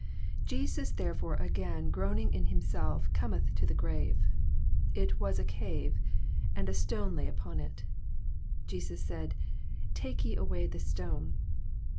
88—46. 88 Jeias therefore again groaning in himself cometh to the grave. It was a cave, and a stone lay upon it. 39 Jesus said, Take ye away the stone.